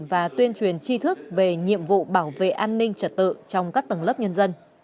và tuyên truyền chi thức về nhiệm vụ bảo vệ an ninh trật tự trong các tầng lớp nhân dân